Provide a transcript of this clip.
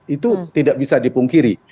itu tidak bisa dipungkiri